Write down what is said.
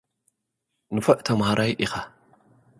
ንፉዕ ተማሃራይ ኢኻ።